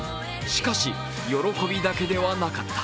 しかし、喜びだけではなかった。